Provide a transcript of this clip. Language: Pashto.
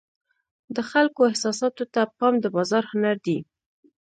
د خلکو احساساتو ته پام د بازار هنر دی.